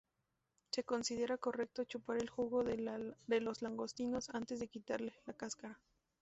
Se considera correcto chupar el jugo de los langostinos antes de quitarles la cáscara.